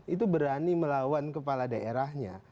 itu berani melawan kepala daerahnya